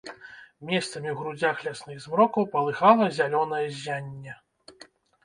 Месцамі ў грудзях лясных змрокаў палыхала зялёнае ззянне.